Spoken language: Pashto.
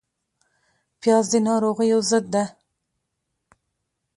پیاز د ناروغیو ضد ده